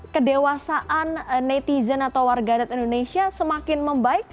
kedewasaan netizen atau warga net indonesia semakin membaik